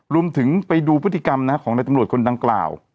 ไปดูพฤติกรรมของในตำรวจคนดังกล่าว